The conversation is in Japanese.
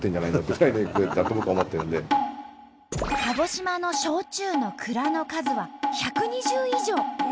鹿児島の焼酎の蔵の数は１２０以上。